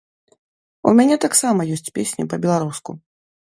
У мяне таксама ёсць песні па-беларуску.